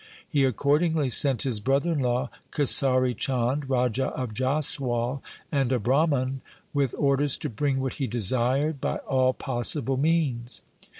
He accordingly sent his brother in law, Kesari Chand, Raja of Jaswal, and a Brahman, with orders to bring what he desired by all possible means.